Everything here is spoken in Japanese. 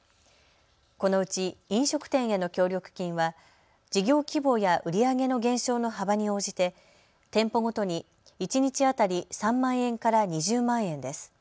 このうち飲食店への協力金は事業規模や売り上げの減少の幅に応じて店舗ごとに一日当たり３万円から２０万円です。